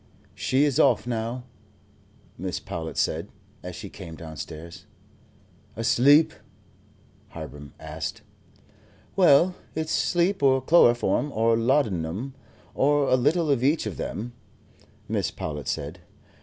"She is off now," Mrs. Powlett said, as she came downstairs. "Asleep?" Hiram asked. "Well, it's sleep, or chloroform, or laudanum, or a little of each of them," Mrs. Powlett said.